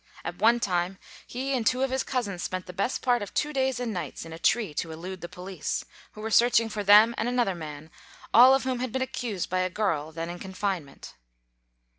At one time, he and two of his cousins spent the best part of two days and nights in a tree to elude the police, who were searching for them and another man, all of whom had been accused by a girl then in confinement.